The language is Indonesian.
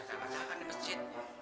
jangan jangan di masjid